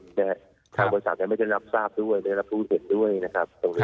แต่ผู้ประกอบศักดิ์ไม่ได้รับทราบด้วยไม่ได้รับผู้เจ็บด้วยนะครับ